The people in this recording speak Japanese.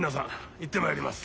行ってまいります。